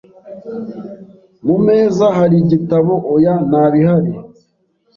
"Mu meza hari igitabo?" "Oya, nta bihari."